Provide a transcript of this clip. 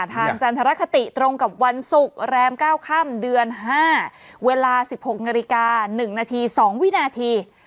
จันทรคติตรงกับวันศุกร์แรม๙ค่ำเดือน๕เวลา๑๖นาฬิกา๑นาที๒วินาที